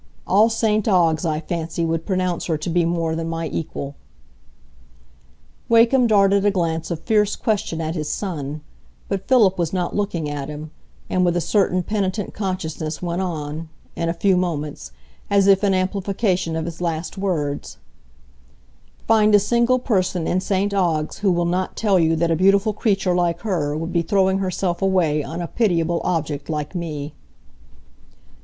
All St Ogg's, I fancy, would pronounce her to be more than my equal." Wakem darted a glance of fierce question at his son; but Philip was not looking at him, and with a certain penitent consciousness went on, in a few moments, as if in amplification of his last words,— "Find a single person in St Ogg's who will not tell you that a beautiful creature like her would be throwing herself away on a pitiable object like me."